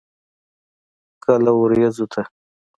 کله ورېځو ته.